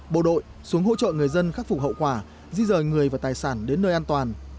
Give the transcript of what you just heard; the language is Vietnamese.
bộ đội xuống hỗ trợ người dân khắc phục hậu quả di rời người và tài sản đến nơi an toàn